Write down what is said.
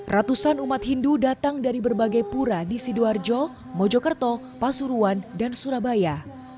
ratusan umat hindu datang dari berbagai pura di sidoarjo mojokerto pasuruan dan surabaya